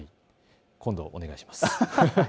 今度、お願いします。